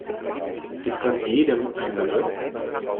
Ist das jedem ein Begriff?